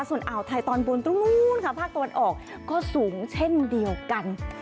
ส่วนอ่าวไทยตอนบนตรงนู้นค่ะภาคตะวันออกก็สูงเช่นเดียวกัน